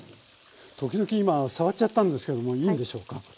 時々今触っちゃったんですけどもいいんでしょうか？